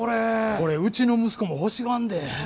これうちの息子も欲しがんで。